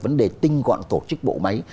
vấn đề tinh gọn tổ chức bộ máy